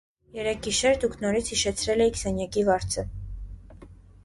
- Երեկ գիշեր դուք նորից հիշեցրել էիք սենյակի վարձը…